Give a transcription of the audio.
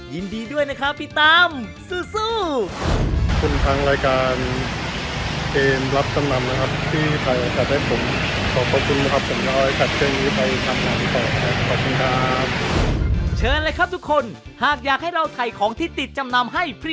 ยินดีด้วยนะคะพี่ตามสู้สู้คุณทางรายการ